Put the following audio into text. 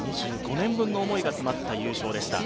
２５年分の思いが詰まった優勝でした。